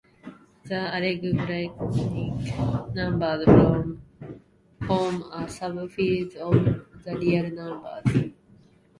The algebraic numbers form a subfield of the real numbers.